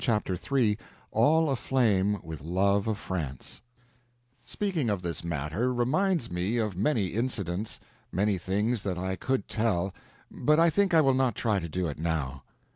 Chapter 3 All Aflame with Love of France SPEAKING of this matter reminds me of many incidents, many things that I could tell, but I think I will not try to do it now.